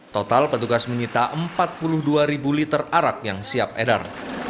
total petugas menyita empat puluh dua ribu liter arak yang siap edar